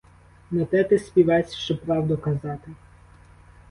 На те ти співець, щоб правду казати.